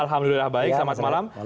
alhamdulillah baik selamat malam